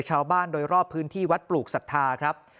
ชาวบ้านโดยรอบพื้นที่วัดปลูกศรัทธาครับ